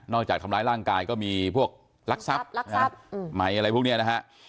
จากทำร้ายร่างกายก็มีพวกลักทรัพย์ใหม่อะไรพวกนี้นะฮะ